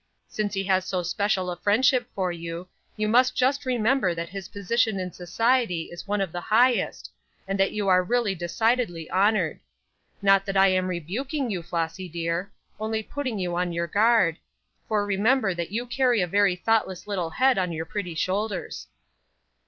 Since he has so special a friendship for you, you must just remember that his position in society is one of the highest, and that you are really decidedly honored. Not that I am rebuking you, Flossy dear, only putting you on your guard; for remember that you carry a very thoughtless little head on your pretty shoulders."